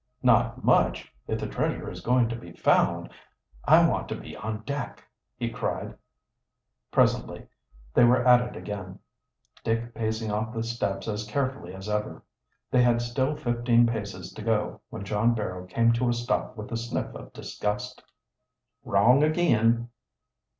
"Not much! If the treasure is going to be found, I want to be on deck!" he cried. Presently they we're at it again, Dick pacing off the steps as carefully as ever. They had still fifteen paces to go when John Barrow came to a stop with a sniff of disgust. "Wrong ag'in!"